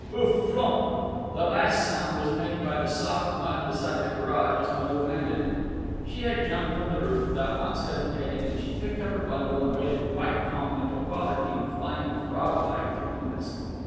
"Oof flumpf." This last sound was made by the soft mud beside the garage as Mother landed in it. She had jumped from the roof without once hesitating, and she picked up her bundle and waited quite calmly till Father came flying frog like through the mist.